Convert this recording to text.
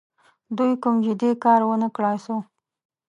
دوی کوم جدي کار ونه کړای سو.